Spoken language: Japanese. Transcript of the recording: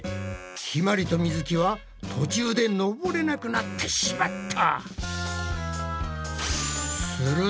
ひまりとみづきは途中で登れなくなってしまった。